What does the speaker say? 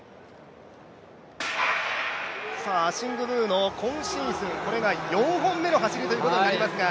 アシング・ムーの今シーズン４本目の走りということになりますが。